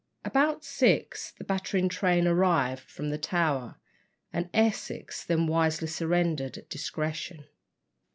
About six the battering train arrived from the Tower, and Essex then wisely surrendered at discretion.